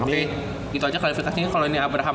oke gitu aja klarifikasinya kalo ini abraham